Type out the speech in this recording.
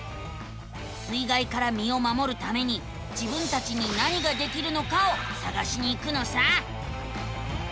水がいからみをまもるために自分たちに何ができるのかをさがしに行くのさ。